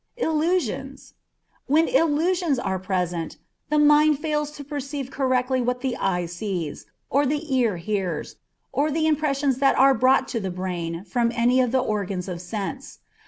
Illusions. When illusions are present, the mind fails to perceive correctly what the eye sees, or the ear hears, or the impressions that are brought to the brain from any of the organs of sense.